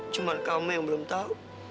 cuman kamu yang belum tau